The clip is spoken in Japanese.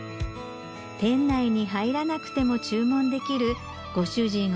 店内に入らなくても注文できるご主人